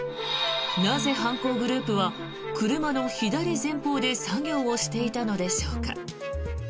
なぜ犯行グループは車の左前方で作業をしていたのでしょうか。